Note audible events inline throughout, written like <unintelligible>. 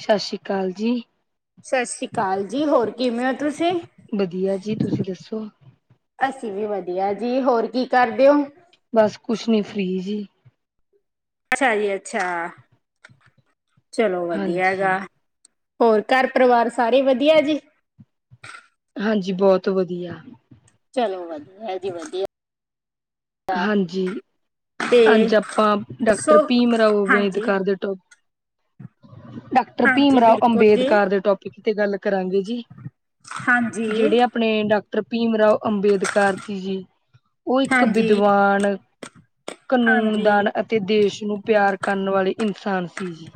ਸਤਿ ਸ੍ਰੀ ਅਕਾਲ ਜੀ। ਸਤਿ ਸ੍ਰੀ ਅਕਾਲ ਜੀ। ਹੋਰ ਕਿਵੇ ਹੋ ਤੁਸੀ? ਵਧੀਆ ਜੀ ਤੁਸੀਂ ਦੱਸੋ? ਅਸੀ ਵੀ, ਵਧੀਆ ਜੀ। ਹੋਰ ਕੀ ਕਰਦੇ ਹੋ? ਬਸ, ਕੁਛ ਨਹੀ ਫਰੀ ਜੀ। ਅਛਾ ਜੀ ਅਛਾ, ਚਲੋ ਵਧੀਆ ਹੈਗਾ। ਹਾਂਜੀ ਹੋਰ, ਘਰ-ਪਰਿਵਾਰ ਸਾਰੇ ਵਧੀਆ ਜੀ। ਹਾਂਜੀ, ਬਹੁਤ ਵਧੀਆ। ਚਲੋ, ਵਧੀਆ ਜੀ ਵਧੀਆ। ਹਾਂਜੀ। ਤੇ ਅਜ ਆਪਾਂ, ਡਾਕਟਰ ਦੱਸੋ ਭੀਮ ਰਾਓੇ ਹਾਂਜੀ। ਅੰਬੇਡਕਰ, ਘਰ ਦੇ ਤੋਂ। ਡਾ ਭੀਮ ਹਾਂਜੀ ਰਾਓ ਬਿਲਕੁਲ ਜੀ ਅੰਬੇਡਕਰ, ਦੇ ਤੋਂ। ਕਿਤੇ, ਗਲ ਕਰਾਂਗੇ ਜੀ। ਹਾਂਜੀ ਜਿਹੜੇ ਆਪਣੇ, ਡਾਕਟਰ ਭੀਮ ਰਾਓ ਅੰਬੇਦਕਰ ਜੀ, ਜੀ। ਉਹ ਇਕ ਹਾਂਜੀ ਵਿਦਵਾਨ। ਕਾਨੂੰਨ ਹਾਂਜੀ। ਦਾਨ, ਅਤੇ ਦੇਸ਼ ਨੂੰ ਪਿਆਰ ਕਰਨ, ਵਾਲੇ ਇਨਸਾਨ ਸੀ ਜੀ।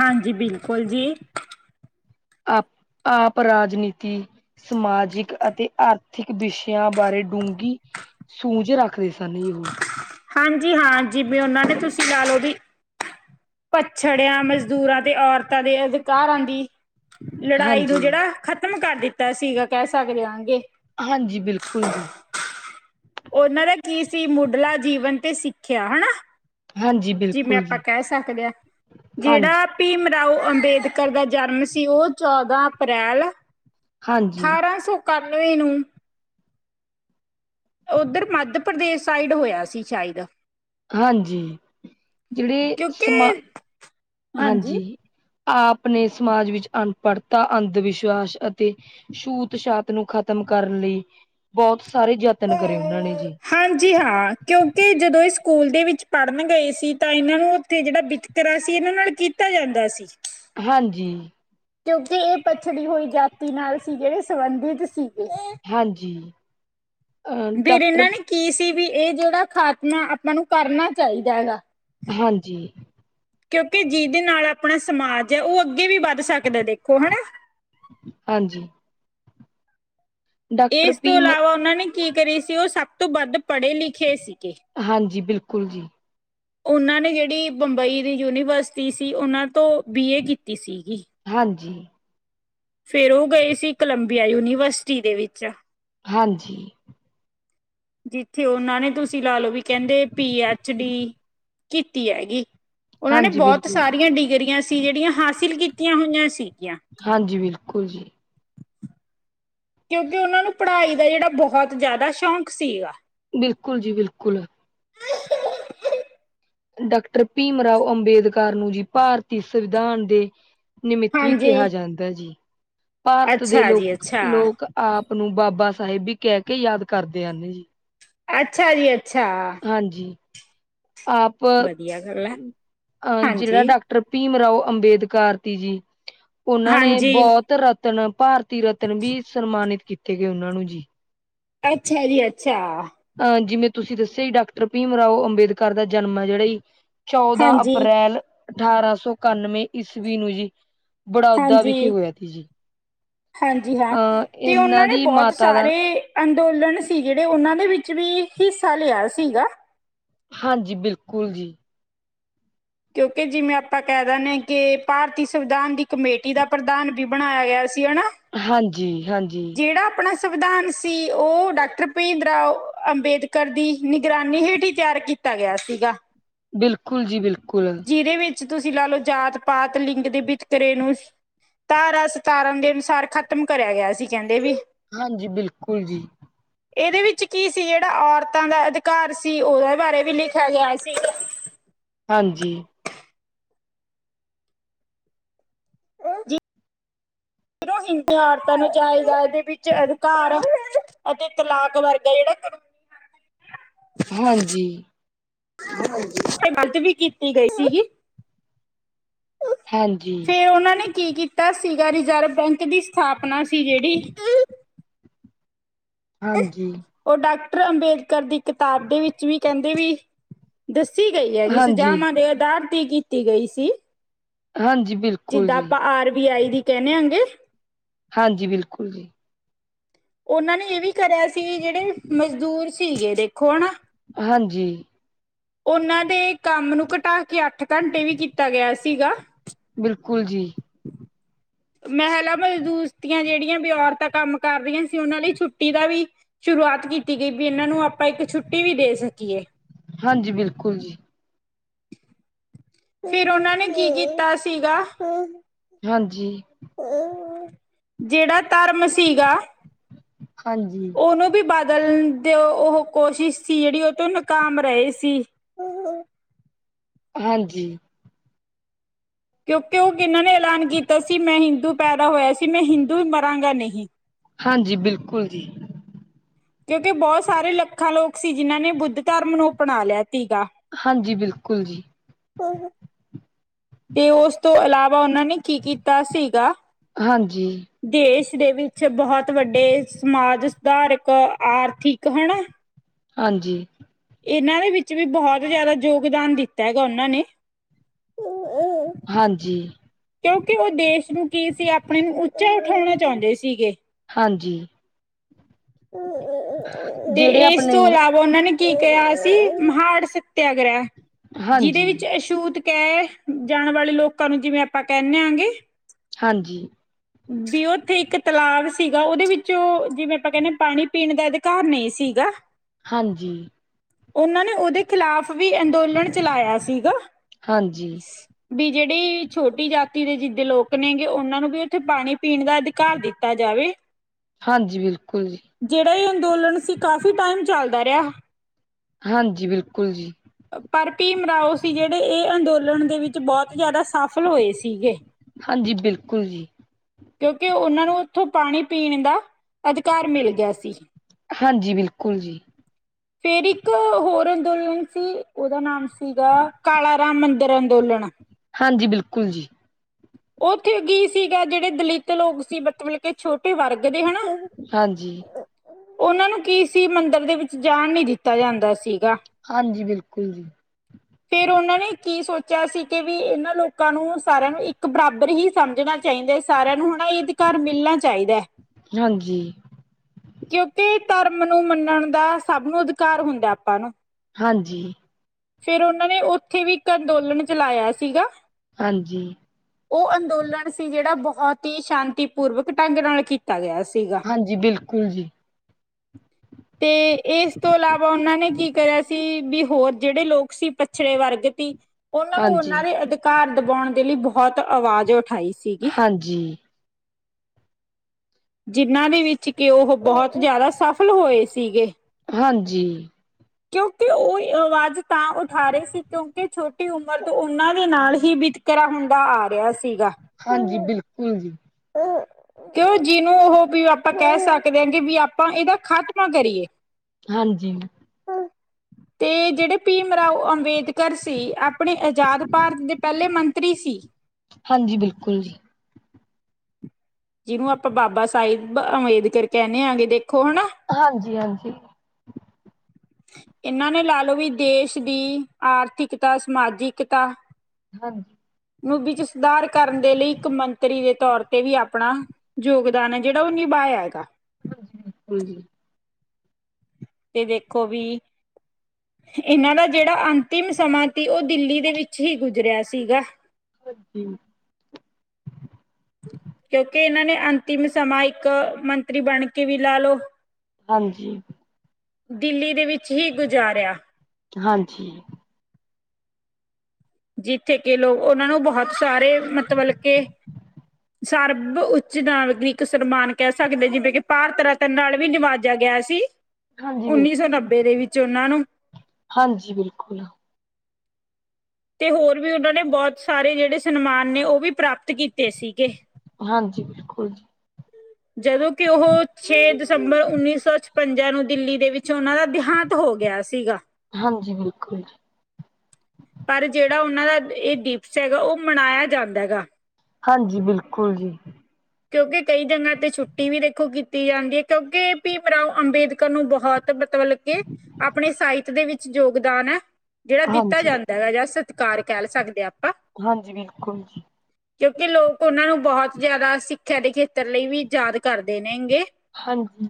ਹਾਂਜੀ, ਬਿਲਕੁਲ ਜੀ। ਆਪ, ਆਪ ਰਾਜਨੀਤੀ, ਸਮਾਜਿਕ, ਅਤੇ ਆਰਥਿਕ ਵਿਸ਼ਿਆਂ, ਬਾਰੇ ਡੂੰਘੀ ਸੂੰਝ ਰੱਖਦੇ ਸਨ। ਉਹ। ਹਾਂਜੀ- ਹਾਂਜੀ, ਵੇ ਉਹਨਾ ਨੇ, ਤੁਸੀ ਲਾ ਲਓ ਵੀ ਪੱਛੜਿਆਂ, ਮਜ਼ਦੂਰਾਂ ਤੇ ਔਰਤਾਂ ਦੇ ਅਧਿਕਾਰਾਂ ਦੀ ਲੜਾਈ ਹਾਂਜੀ ਵਗੈਰਾ ਜਿਹੜਾ ਖਤਮ ਕਰ ਦਿਤਾ ਸੀਗਾ। ਕਹਿ ਸਕਦੇ, ਹਾਂਜੀ। ਹਾਂਜੀ, ਬਿਲਕੁਲ ਜੀ। ਉਹਨਾਂ ਦਾ, ਕੀ ਸੀ। ਮੁੱਢਲਾ ਜੀਵਨ ਤੇ ਸਿੱਖਿਆ। ਹਨਾ ਹਾਂਜੀ ਜਿਵੇਂ ਬਿਲਕੁਲ ਆਪਾਂ, ਜੀ ਕਹਿ ਸਕਦੇ ਹਾਂ। ਹਾਂਜੀ ਜਿਹੜਾ ਭੀਮ ਰਾਓ ਅੰਬੇਦਕਰ, ਦਾ ਜਨਮ ਸੀ। ਉਹ ਚੌਦਾਂ ਅਪ੍ਰੈਲ ਹਾਂਜੀ ਅਠਾਰਾਂ ਸੌ, ਇਕਾਨਵੇਂ ਨੂੰ ਉਧਰ, ਮੱਧ ਪ੍ਰਦੇਸ਼, ਸਾਈਡ ਹੋਇਆ ਸੀ। ਸ਼ਾਇਦ। ਹਾਂਜੀ। ਜਿਹੜੇ ਕਿਉਂਕਿ ਸਮਾ ਹਾਂਜੀ। ਆਪ ਨੇ ਸਮਾਜ ਵਿਚ, ਅਨਪੜਤਾ, ਅੰਧ ਵਿਸ਼ਵਾਸ ਅਤੇ ਛੂਤ- ਛਾਤ ਨੂੰ ਖਤਮ ਕਰਨ ਲਈ, ਬਹੁਤ ਸਾਰੇ ਯਤਨ ਕਰੇ। ਉਹਨਾ ਨੇ ਜੀ। ਹਾਂਜੀ ਹਾਂ। ਕਿਉਕਿ, ਜਦੋਂ ਇਹ ਸਕੂਲ ਦੇ ਵਿਚ, ਪੜਨ ਗਏ ਸੀ। ਤਾਂ ਇਹਨਾਂ ਨੂੰ, ਉਥੇ ਜਿਹੜਾ ਬ ਤਰਾਂ ਸੀ। ਇਹਨਾ ਨਾਲ ਕੀਤਾ ਜਾਂਦਾ ਸੀ। ਹਾਂਜੀ। ਕਿਉਂਕਿ ਇਹ, ਪਛੜੀ ਹੋਈ ਜਾਤੀ ਨਾਲ ਸੀ, ਜਿਹੜੇ ਸੰਬੰਧਿਤ ਸੀਗੇ। ਹਾਂਜੀ। ਅਹ ਫੇਰ ਡਾਕਟਰ ਇਹਨਾਂ ਨੇ, ਕੀ ਸੀ ਵੀ, ਇਹ ਜਿਹੜਾ ਖਾਤਮਾ, ਆਪਾਂ ਨੂੰ ਕਰਨਾ ਚਾਹੀਦਾ ਹੈਗਾ। ਹਾਂਜੀ। ਕਿਉਂਕਿ ਜਿਹਦੇ ਨਾਲ, ਆਪਣਾ ਸਮਾਜ ਹੈ, ਉਹ ਅੱਗੇ ਵੀ, ਵੱਧ ਸਕਦਾ, ਦੇਖੋ ਹਨਾ। ਹਾਂਜੀ। ਡਾਕਟਰ ਇਸ ਤੋਂ ਭੀਮ ਇਲਾਵਾ, ਉਹਨਾਂ ਨੇ ਕੀ ਕਰੀ ਸੀ। ਉਹ ਸਭ ਤੋਂ ਵੱਧ, ਪੜੇ- ਲਿਖੇ ਸੀਗੇ। ਹਾਂਜੀ, ਬਿਲਕੁਲ ਜੀ। ਉਹਨਾਂ ਨੇ, ਜਿਹੜੀ ਬੰਬਈ ਦੀ ਯੂਨੀਵਰਸਿਟੀ ਸੀ। ਉਹਨਾਂ ਤੋਂ ਬੀ ਏ, ਕੀਤੀ ਸੀਗੀ। ਹਾਂਜੀ। ਫੇਰ, ਉਹ ਗਏ ਸੀ। ਕੋਲੰਬੀਆ ਯੂਨੀਵਰਸਿਟੀ, ਦੇ ਵਿੱਚ। ਹਾਂਜੀ। ਜਿੱਥੇ ਉਹਨਾਂ ਨੇ ਤੁਸੀਂ ਲਾ ਲਓ ਵੀ ਕਹਿੰਦੇ ਪੀ ਐਚ ਡੀ ਕੀਤੀ ਹੈਗੀ। ਉਹਨਾਂ ਨੇ ਹਾਂਜੀ ਬਹੁਤ ਬਿਲਕੁਲ ਜੀ ਸਾਰੀਆਂ ਡਿਗਰੀਆਂ ਸੀ ਜਿਹੜੀਆਂ ਹਾਸਿਲ ਕੀਤੀਆਂ ਹੋਈਆਂ ਸੀਗੀਆਂ ਹਾਂਜੀ ਬਿਲਕੁਲ ਜੀ। ਕਿਉਂਕਿ ਉਹਨਾਂ ਨੂੰ ਪੜ੍ਹਾਈ ਦਾ ਜਿਹੜਾ ਬਹੁਤ ਜ਼ਿਆਦਾ ਸ਼ੌਕ ਸੀਗਾ। ਬਿਲਕੁਲ ਜੀ ਬਿਲਕੁਲ। ਡਾਕਟਰ ਭੀਮ ਰਾਓ ਅੰਬੇਦਕਰ ਨੂੰ ਭਾਰਤੀ ਸੰਵਿਧਾਨ ਦੇ ਨਿਮਿਤ ਵੀ ਹਾਂਜੀ, ਕਿਹਾ ਜਾਂਦਾ ਜੀ ਭਾਰਤ ਦੇ ਅੱਛਾ ਜੀ ਲੋਕ- ਅੱਛਾ। ਲੋਕ ਆਪ ਨੂੰ ਬਾਬਾ ਸਾਹਿਬ ਵੀ ਕਹਿ ਕੇ ਯਾਦ ਕਰਦੇ ਹਨ ਜੀ। ਅੱਛਾ ਜੀ ਅੱਛਾ, ਹਾਂਜੀ, ਆਪ ਵਧੀਆ ਗੱਲ ਹੈ ਜਿਹੜਾ ਹਾਂਜੀ। ਡਾ ਟਰ ਭੀਮ ਰਾਓ ਅੰਬੇਦਕਰ ਤੀ ਜੀ, ਉਹਨਾਂ ਨੇ ਹਾਂਜੀ, ਬਹੁਤ ਰਾ ਰਤਨ ਭਾਰਤੀ ਰਤਨ ਵੀ ਸਨਮਾਨਿਤ ਕੀਤੇ ਗਏ ਉਹਨਾਂ ਨੂੰ ਜੀ ਅੱਛਾ ਜੀ ਅੱਛਾ ਅਹ ਜਿਵੇਂ ਤੁਸੀਂ ਦੱਸਿਆ ਹੀ ਡਾਕਟਰ ਭੀਮ ਰਾਓ ਅੰਬੇਦਕਰ ਦਾ ਜਨਮ ਹੈ ਜਿਹੜਾ ਹੀ। ਚੌਦਾਂ ਹਾਂਜੀ, ਅਪ੍ਰੈਲ ਅਠਾਰਾਂ ਸੌ ਇਕਾਨਵੇਂ ਈਸਵੀ ਨੂੰ ਜੀ ਬੜੌਦਰਾ ਵਿਖੇ ਹਾਂਜੀ। ਹੋਇਆ ਸੀ ਜੀ ਹਾਂਜੀ ਹਾਂ ਅਹ ਤੇ ਇਹਨਾਂ ਉਹਨਾਂ ਨੇ ਦੀ ਬਹੁਤ ਮਾਤਾ ਦਾ ਸਾਰੇ ਅੰਦੋਲਨ ਸੀ ਜਿਹੜੇ ਉਹਨਾਂ ਦੇ ਵਿੱਚ ਵੀ ਹਿੱਸਾ ਲਿਆ ਸੀਗਾ ਹਾਂਜੀ ਬਿਲਕੁਲ ਜੀ ਕਿਉਂਕਿ ਜਿਵੇਂ ਆਪਾਂ ਕਹਿ ਦਿੰਦੇ ਹਾਂ ਕਿ ਭਾਰਤੀ ਸੰਵਿਧਾਨ ਦੀ ਕਮੇਟੀ ਦਾ ਪ੍ਰਧਾਨ ਵੀ ਬਣਾਇਆ ਗਿਆ ਸੀ ਹਨਾ ਹਾਂਜੀ ਹਾਂਜੀ, ਜਿਹੜਾ ਆਪਣਾ ਸੰਵਿਧਾਨ ਸੀ ਉਹ ਡਾਕਟਰ ਭੀਮ ਰਾਓ ਅੰਬੇਦਕਰ ਦੀ ਨਿਗਰਾਨੀ ਹੇਠ ਹੀ ਤਿਆਰ। ਕੀਤਾ ਗਿਆ ਸੀਗਾ ਬਿਲਕੁਲ ਜੀ ਬਿਲਕੁਲ ਜਿਹਦੇ ਵਿੱਚ ਤੁਸੀਂ ਲਾ ਲਓ ਜਾਤ -ਪਾਤ ਲਿੰਗ ਦੇ ਵਿਤਕਰੇ ਨੂੰ ਧਾਰਾਂ ਸਤਾਰਾਂ ਦੇ ਅਨੁਸਾਰ ਖ਼ਤਮ ਕਰਿਆ ਗਿਆ ਸੀ ਕਹਿੰਦੇ ਵੀ ਹਾਂਜੀ ਬਿਲਕੁਲ ਜੀ ਇਹਦੇ ਵਿੱਚ ਕੀ ਸੀ ਜਿਹੜਾ ਔਰਤਾਂ ਦਾ ਅਧਿਕਾਰ ਸੀ ਉਹਦੇ ਬਾਰੇ ਵੀ ਲਿਖਿਆ ਗਿਆ ਸੀ ਹਾਂਜੀ ਉਹ ਜੀ ਇਰੋਂਤਹਾਰਤਾਂ ਨੂੰ ਜਾਇਜ਼ਾ ਇਹਦੇ ਵਿੱਚ ਅਧਿਕਾਰ ਅਤੇ ਤਲਾਕ ਵਰਗਾ ਜਿਹੜਾ ਹਾਂਜੀ ਇਹ ਵਤ ਵੀ ਕੀਤੀ ਗਈ ਸੀਗੀ ਹਾਂਜੀ ਤੇ ਉਹਨਾਂ ਨੇ ਕੀ ਕੀਤਾ ਸੀਗਾ ਰਿਜ਼ਰਵ ਬੈਂਕ ਦੀ ਸਥਾਪਨਾ ਸੀ ਜਿਹੜੀ ਹਾਂਜੀ ਉਹ ਡਾਕਟਰ ਅੰਬੇਦਕਰ ਦੀ ਕਿਤਾਬ ਦੇ ਵਿੱਚ ਵੀ ਕਹਿੰਦੇ ਵੀ, ਦੱਸੀ ਗਈ ਹੈਗੀ ਹਾਂਜੀ ਸੁਜਾਵਾਂ ਦੇ ਅਧਾਰ ਤੇ ਕੀਤੀ ਗਈ ਸੀ। ਹਾਂਜੀ ਬਿਲਕੁਲ ਜਿੱਦਾਂ ਜੀ ਆਪਾਂ ਆਰ ਬੀ ਆਈ ਦੀ ਕਹਿਣੇ ਹੁੰਦੇ ਹਾਂਜੀ ਬਿਲਕੁਲ ਜੀ ਉਹਨਾਂ ਨੇ ਇਹ ਵੀ ਕਰਿਆ ਸੀ ਜਿਹੜੇ ਮਜ਼ਦੂਰ ਸੀਗੇ ਦੇਖੋ ਹਨਾ ਹਾਂਜੀ ਉਹਨਾਂ ਦੇ ਕੰਮ ਨੂੰ ਘਟਾ ਕੇ ਅੱਠ ਘੰਟੇ ਵੀ ਕੀਤਾ ਗਿਆ ਸੀਗਾ ਬਿਲਕੁਲ ਜੀ ਮਹਿਲਾ ਮਜ਼ਦੂਸਤੀਆਂ ਜਿਹੜੀਆਂ ਵੀ ਔਰਤਾਂ ਕੰਮ ਕਰ ਰਹੀਆਂ ਸੀ ਉਹਨਾਂ ਲਈ ਛੁੱਟੀ ਦਾ ਵੀ ਸ਼ੁਰੂਆਤ ਕੀਤੀ ਗਈ ਵੀ ਇਹਨਾਂ ਨੂੰ ਆਪਾਂ ਇੱਕ ਛੁੱਟੀ ਵੀ ਦੇ ਸਕੀਏ ਹਾਂਜੀ ਬਿਲਕੁਲ ਜੀ ਫਿਰ ਉਹਨਾ ਨੇ ਕੀ ਕੀਤਾ ਸੀਗਾ ਹਾਂਜੀ ਜਿਹੜਾ ਟਰਮ ਸੀਗਾ ਹਾਂਜੀ ਉਹਨੂੰ ਵੀ ਬਦਲਨ ਦੀ ਉਹ ਕੋਸ਼ਿਸ਼ ਸੀ ਜਿਹੜੀ, ਉਹ ਤੋਂ ਨਕਾਮ ਰਹੇ ਸੀ ਹਾਂਜੀ ਕਿਉਂਕਿ ਉਹ ਇਹਨਾਂ ਨੇ ਐਲਾਨ ਕੀਤਾ ਸੀ ਮੈਂ ਹਿੰਦੂ ਪੈਦਾ ਹੋਇਆ ਸੀ, ਮੈਂ ਹਿੰਦੂ ਹੀ ਮਰਾਂਗਾ ਨਹੀਂ। ਹਾਂਜੀ ਬਿਲਕੁਲ ਜੀ ਕਿਉਂਕਿ ਬਹੁਤ ਸਾਰੇ ਲੱਖਾਂ ਲੋਕ ਸੀ ਜਿਨਾਂ ਨੇ ਬੁੱਧ ਧਰਮ ਨੂੰ ਅਪਣਾ ਲਿਆ ਸੀਗਾ ਹਾਂਜੀ ਬਿਲਕੁਲ ਜੀ ਹੂ ਹੂ ਤੇ ਉਸ ਤੋਂ ਇਲਾਵਾ ਉਹਨਾਂ ਨੇ, ਕੀ ਕੀਤਾ ਸੀਗਾ ਹਾਂਜੀ ਦੇਸ਼ ਦੇ ਵਿੱਚ ਬਹੁਤ ਵੱਡੇ, ਸਮਾਜ ਸੁਧਾਰਿਕ ਆਰਥਿਕ ਹੈਨਾ ਹਾਂਜੀ ਇਹਨਾਂ ਦੇ ਵਿੱਚ ਵੀ, ਬਹੁਤ ਜਿਆਦਾ ਯੋਗਦਾਨ ਦਿੱਤਾ ਹੈਗਾ ਉਹਨਾਂ ਨੇ। ਹਾਂਜੀ ਕਿਉਂਕਿ ਉਹ ਦੇਸ਼ ਨੂੰ ਕੀ ਸੀ, ਆਪਣੇ ਨੂੰ ਉੱਚਾ ਉਠਾਉਣਾ ਚਾਹੁੰਦੇ ਸੀਗੇ। ਹਾਂਜੀ ਤੇ ਜਿਹੜੇ ਇਸ ਆਪਣੇ ਤੋਂ ਇਲਾਵਾ ਉਹਨਾਂ ਨੇ ਕੀ ਕਿਹਾ ਸੀ, ਮਹਾਨ ਸਤਿਆਗ੍ਰਹਿ, ਜਿਹਦੇ ਹਾਂਜੀ ਵਿੱਚ ਅਛੁਤ ਕਹਿ, ਜਾਣ ਵਾਲੇ ਲੋਕਾਂ ਨੂੰ ਜਿਵੇਂ ਆਪਾਂ ਕਹਿੰਨੇ ਆਂ ਜੀ ਹਾਂਜੀ ਵੀ ਉੱਥੇ ਇੱਕ ਤਲਾਬ ਸੀਗਾ, ਉਹਦੇ ਵਿੱਚੋਂ ਜਿਵੇਂ ਆਪਾਂ ਕਹਿੰਦੇ ਪਾਣੀ ਪੀਣ ਦਾ ਘਰ ਨਹੀਂ ਸੀਗਾ ਹਾਂਜੀ ਉਹਨਾਂ ਨੇ ਉਹਦੇ ਖਿਲਾਫ਼ ਵੀ ਅੰਦੋਲਨ ਚਲਾਇਆ ਸੀਗਾ ਹਾਂਜੀ ਵੀ ਜਿਹੜੀ ਛੋਟੀ ਜਾਤੀ ਦੇ ਜਿੱਦ ਲੋਕ ਨੇਗੇ, ਉਹਨਾ ਨੂੰ ਵੀ ਉੱਥੇ ਪਾਣੀ ਪੀਣ ਦਾ ਅਧਿਕਾਰ ਦਿੱਤਾ ਜਾਵੇ। ਹਾਂਜੀ ਬਿਲਕੁਲ ਜੀ ਜਿਹੜਾ ਇਹ ਅੰਦੋਲਨ ਸੀ, ਕਾਫੀ ਟਾਈਮ ਚੱਲਦਾ ਰਿਹਾ। ਹਾਂਜੀ ਬਿਲਕੁਲ ਜੀ ਪਰ ਭੀਮ ਰਾਓ ਸੀ ਜਿਹੜੇ, ਇਹ ਅੰਦੋਲਨ ਦੇ ਵਿੱਚ ਬਹੁਤ ਜਿਆਦਾ ਸਾਫ਼ ਖਲੋਏ ਸੀਗੇ ਹਾਂਜੀ ਬਿਲਕੁਲ ਜੀ ਕਿਉਂਕਿ ਉਹਨਾਂ ਨੂੰ ਉੱਥੋਂ ਪਾਣੀ ਪੀਣ ਦਾ, ਅਧਿਕਾਰ ਮਿਲ ਗਿਆ ਸੀ। ਹਾਂਜੀ ਬਿਲਕੁਲ ਜੀ ਫੇਰ ਇੱਕ ਹੋਰ ਅੰਦੋਲਨ ਸੀ, ਉਹਦਾ ਨਾਮ ਸੀਗਾ ਕਾਲਾ ਰਾਮ ਮੰਦਿਰ ਅੰਦੋਲਨ ਹਾਂਜੀ ਬਿਲਕੁਲ ਜੀ ਉਹ ਉੱਥੇ ਕੀ ਸੀਗਾ, ਜਿਹੜੇ ਦਲਿਤ ਲੋਕ ਸੀ ਬਤ ਤੇ ਛੋਟੇ ਵਰਗ ਦੇ ਹੈਨਾ ਔਹ। ਹਾਂਜੀ ਉਹਨਾਂ ਨੂੰ ਕੀ ਸੀ, ਮੰਦਿਰ ਦੇ ਵਿੱਚ ਜਾਣ ਨੀ ਦਿੱਤਾ ਜਾਂਦਾ ਸੀਗਾ। ਹਾਂਜੀ, ਬਿਲਕੁਲ ਜੀ। ਫੇਰ ਉਹਨਾਂ ਨੇ ਕੀ ਸੋਚਿਆ ਸੀ, ਕਿ ਵੀ ਇਹਨਾਂ ਲੋਕਾਂ ਨੂੰ ਸਾਰਿਆਂ ਨੂੰ ਇੱਕ ਬਰਾਬਰ ਹੀ ਸਮਝਣਾ ਚਾਹੀਦਾ। ਸਾਰਿਆਂ ਨੂੰ ਹੁਣ ਇਹ ਅਧਿਕਾਰ ਮਿਲਣਾ ਚਾਹੀਦਾ। ਹਾਂਜੀ ਕਿਉਂਕਿ ਧਰਮ ਨੂੰ ਮੰਨਣ ਦਾ ਸਭ ਨੂੰ ਅਧਿਕਾਰ ਹੁੰਦਾ ਆਪਾਂ ਨੂੰ। ਹਾਂਜੀ। ਫਿਰ ਉਹਨਾਂ ਨੇ ਉੱਥੇ ਵੀ ਇੱਕ ਅੰਦੋਲਨ ਚਲਾਇਆ ਸੀਗਾ। ਹਾਂਜੀ। ਉਹ ਅੰਦੋਲਨ ਸੀ ਜਿਹੜਾ, ਬਹੁਤ ਹੀ ਸ਼ਾਂਤੀ ਪੂਰਵਕ ਢੰਗ ਨਾਲ ਕੀਤਾ। ਕੀਤਾ ਗਿਆ ਸੀਗਾ। ਹਾਂਜੀ ਬਿਲਕੁਲ ਜੀ ਤੇ ਇਸ ਤੋਂ ਇਲਾਵਾ ਉਹਨਾਂ ਨੇ ਕੀ ਕਰਿਆ। ਸੀ ਵੀ ਹੋਰ ਜਿਹੜੇ ਲੋਕ ਸੀ ਪੱਛੜੇ ਵਰਗ ਤੀ ਉਹਨਾਂ ਨੂੰ ਹਾਂਜੀ ਉਹਨਾਂ ਦੇ ਅ ਘਰ ਦਬਾਉਣ ਦੇ ਲਈ ਬੋਹਤ ਆਵਾਜ਼ ਉਠਾਈ ਸੀਗੀ। ਹਾਂਜੀ ਜਿੰਨਾਂ ਦੇ ਵਿੱਚ ਕਿ ਉਹ ਬੋਹਤ ਜਾਦਾ ਸਫਲ ਹੋਏ ਸੀਗੇ। ਹਾਂਜੀ। ਕਿਉਂਕਿ ਉਹ ਆਵਾਜ਼ ਤਾਂ ਉਠਾ ਰਹੇ ਸੀ, ਕਿਉਂਕਿ ਛੋਟੀ ਉਮਰ ਤੋਂ ਉਹਨਾਂ ਦੇ ਨਾਲ ਹੀ ਬ ਤਰ੍ਹਾਂ ਹੁੰਦਾ ਆ ਰਿਹਾ ਸ ਹਾਂਜੀ, ਬਿਲਕੁਲ ਜੀ। ਕਿਉ ਜਿਹਨੂੰ ਉਹ ਵੀ ਆਪਾਂ ਕਹਿ ਸਕਦੇ ਹਾਂ ਕਿ ਵੀ ਆਪਾਂ ਏਦਾ ਖ਼ਤਮਾ ਕਰੀਏ। ਹਾਂਜੀ। ਤੇ ਜਿਹੜੇ ਭੀਮ ਰਾਓ ਅੰਬੇਦਕਰ ਸੀ, ਆਪਣੇ ਆਜ਼ਾਦ ਭਾਰਤ ਦੇ ਪਹਿਲੇ ਮੰਤਰੀ ਸੀ। ਹਾਂਜੀ, ਬਿਲਕੁਲ ਜੀ। ਜਿਨੂੰ ਆਪਾਂ ਬਾਬਾ ਸਾਹਿਬ ਅੰਬੇਦਕਰ ਕਹਿੰਨੇ ਹੈਗੇ ਦੇਖੋ ਹਨਾ। ਹਾਂਜੀ, ਹਾਂਜੀ। ਇਨਾਂ ਨੇ ਲਾ ਲਓ ਵੀ ਦੇਸ਼ ਦੀ ਆਰਥਿਕਤਾ, ਸਮਾਜਿਕਤਾ ਹਾਂਜੀ। ਨੂੰ ਵਿੱਚ ਸੁਧਾਰ ਕਰਨ ਦੇ ਲਈ ਇੱਕ ਮੰ ਤਰੀ ਦੇ ਤੌਰ ਤੇ ਵੀ ਆਪਣਾ ਯੋਗਦਾਨ ਐ ਜੇੜਾ ਓ ਨਿਭਾਇਆ ਹੈਗਾ। ਹਾਂਜੀ, ਹਾਂਜੀ। ਤੇ ਦੇਖੋ ਵੀ ਤੇ ਏਨਾਂ ਦਾ ਜੇੜਾ ਅੰਤਿਮ ਸਮਾਂ ਤੀ, ਓ ਦਿੱਲੀ ਦੇ ਵਿੱਚ ਹੀ ਗੁਜ਼ਰਿਆ ਸੀਗਾ। ਹਾਂਜੀ। ਕਿਉਂਕਿ ਇਹਨਾਂ ਨੇ ਅੰਤਿਮ ਸਮਾਂ ਇੱਕ ਮੰਤਰੀ ਬਣ ਕੇ ਵੀ ਲਾ ਲਓ। ਹਾਂਜੀ। ਦਿੱਲੀ ਦੇ ਵਿੱਚ ਹੀ ਗੁਜ਼ਾਰਿਆ। ਹਾਂਜੀ। ਜਿੱਥੇ ਕੇ ਲੋਕ ਓਨਾਂ ਨੂੰ ਬੋਹਤ ਸਾਰੇ ਮਤਬਲ ਕੇ ਸਰਬ ਉੱਚ ਨਾਗਰਿਕ ਸਨਮਾਨ ਕਹਿ ਸਕਦੇ ਜਿਵੇਂ ਕਿ ਭਾਰਤ ਰ ਤਨ ਨਾਲ ਵੀ ਨਿਵਾਜਿਆ ਗਿਆ ਸੀ, ਹਾਂਜੀ ਬਿਲ ਉੱਨੀ ਸੌ ਨੱਬੇ ਦੇ ਵਿੱਚ ਉਹਨਾਂ ਨੂੰ। ਹਾਂਜੀ, ਬਿਲਕੁਲ। ਤੇ ਹੋਰ ਵੀ ਓਨਾਂ ਨੇ ਬੋਹਤ ਸਾਰੇ ਜੇੜੇ ਸਨਮਾਨ ਨੇ ਉਹ ਵੀ ਪ੍ਰਾਪਤ ਕੀਤੇ ਸੀਗੇ। ਹਾਂਜੀ, ਬਿਲਕੁਲ ਜੀ। ਜਦੋਂ ਕਿ ਉਹ ਛੇ ਦਸੰਬਰ ਉੱਨੀ ਸੌ ਛਪੰਜਾ ਨੂੰ ਦਿੱਲੀ ਦੇ ਵਿੱਚ ਉਹਨਾਂ ਦਾ ਦੇਹਾਂਤ ਹੋ ਗਿਆ ਸੀਗਾ। ਹਾਂਜੀ, ਬਿਲਕੁਲ ਜੀ। ਪਰ ਜੇੜਾ ਓਨਾਂ ਦਾ ਇਹ ਦਿਵਸ ਹੈਗਾ ਉਹ ਮਨਾਇਆ ਜਾਂਦਾ ਹੈਗਾ। ਹਾਂਜੀ, ਬਿਲਕੁਲ ਜੀ। ਕਿਉਂਕਿ ਕਈ ਜਗ੍ਹਾ ਤੇ ਛੁੱਟੀ ਵੀ ਦੇਖੋ ਕੀਤੀ ਜਾਂਦੀ ਏ ਕਿਉਂਕਿ ਭੀਮ ਰਾਓ ਅੰਬੇਦਕਰ ਨੂੰ ਬੋਹਤ ਮਤਬਲ ਕੇ ਆਪਣੇ ਸਾਹਿਤ ਦੇ ਵਿੱਚ ਯੋਗਦਾਨ ਐ ਜੇੜਾ ਦਿੱਤਾ ਹਾਂਜੀ, ਜਾਂਦਾ ਹੈਗਾ ਜਸ ਕਾਰ ਕਹਲ ਸਕਦੇ ਆਪਾਂ ਹਾਂਜੀ, ਬਿਲਕੁਲ ਜੀ। ਕਿਉਂਕਿ ਲੋਕ ਓਨਾਂ ਨੂੰ ਬਹੁਤ ਜ਼ਿਆਦਾ ਸਿੱਖਿਆ ਦੇ ਖੇਤਰ ਲਈ ਵੀ ਯਾਦ ਕਰਦੇ ਨੇਗੇ। ਹਾਂਜੀ।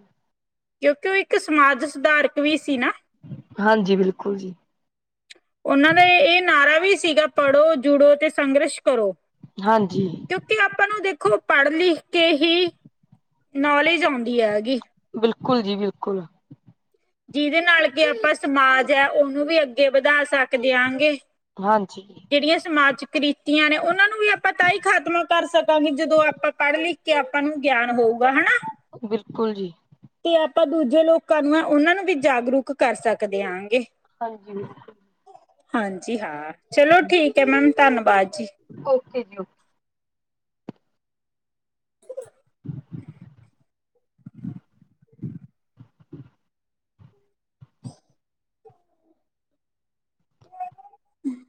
ਕਿਉਂਕਿ ਓ ਇੱਕ ਸਮਾਜ ਸੁਧਾਰਕ ਵੀ ਸੀ ਨਾ। ਹਾਂਜੀ, ਬਿਲਕੁਲ ਜੀ। ਓਨਾਂ ਦਾ ਏ ਨਾਰਾ ਵੀ ਸੀਗਾ, ਪੜ੍ਹੋ, ਜੁੜੋ ਤੇ ਸੰਘਰਸ਼ ਕਰੋ। ਹਾਂਜੀ। ਕਿਉਂਕਿ ਆਪਾਂ ਨੂੰ ਦੇਖੋ ਪੜ੍ਹ ਲਿਖ ਕੇ ਹੀ ਨੌਲੇਜ ਆਉਂਦੀ ਹੈਗੀ। ਬਿਲਕੁਲ ਜੀ ਬਿਲਕੁਲ। ਜਿਦੇ ਨਾਲ ਕਿ ਆਪਾਂ ਸਮਾਜ ਐ, ਓਨੂੰ ਵੀ ਅੱਗੇ ਵਧਾ ਸਕਦੇ ਆਂਗੇ। ਹਾਂਜੀ। ਜਿਹੜੀਆਂ ਸਮਾਜ ਕਰਤੀਆਂ ਨੇ, ਉਹਨਾਂ ਨੂੰ ਵੀ ਆਪਾਂ ਤਾਂ ਹੀ ਖਤਮ ਕਰ ਸਕਾਂਗੇ, ਜਦੋਂ ਆਪਾਂ ਪੜ੍ਹ ਲਿਖ ਕਿ ਆਪਾਂ ਨੂੰ ਗਿਆਨ ਹੋਊਗਾ ਹਨਾ। ਬਿਲਕੁਲ ਜੀ। ਤੇ ਆਪਾਂ ਦੂਜੇ ਲੋਕਾਂ ਨੂੰ ਆ, ਉਹਨਾਂ ਨੂੰ ਵੀ ਜਾਗਰੂਕ ਕਰ ਸਕਦੇ ਆ ਗੇ। ਹਾਂਜੀ, ਬਿਲਕੁਲ। <unintelligible> ਹਾਂਜੀ ਹਾਂ, ਚਲੋਂ ਠੀਕ ਹੈ ਮੈਮ ਧੰਨਵਾਦ ਜੀ। ਓਕੇ ਜੀ ਓਕੇ। <inaudible> ਹ <inaudible> ਹਮ